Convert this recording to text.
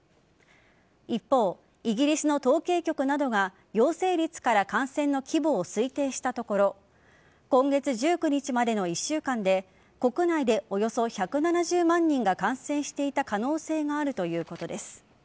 一方、イギリスの統計局などが陽性率から感染の規模を推定したところ今月１９日までの１週間で国内でおよそ１７０万人が感染していた可能性があるということです。